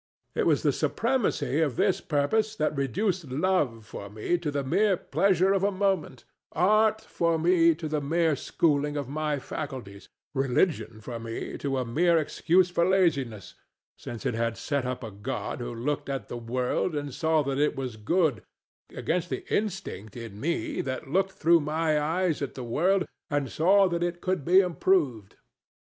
It was the supremacy of this purpose that reduced love for me to the mere pleasure of a moment, art for me to the mere schooling of my faculties, religion for me to a mere excuse for laziness, since it had set up a God who looked at the world and saw that it was good, against the instinct in me that looked through my eyes at the world and saw that it could be improved.